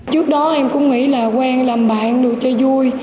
trước đó em cũng nghĩ là quen làm bạn được chơi vui